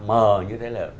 mờ như thế là